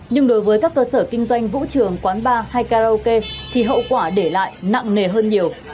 nhưng đối với các cơ sở kinh doanh vũ trường quán bar hay karaoke thì hậu quả để lại nặng nề hơn nhiều